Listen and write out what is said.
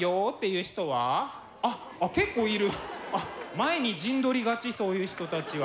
前に陣取りがちそういう人たちは。